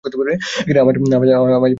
আমায় বড্ড ভালোবাসো বলে?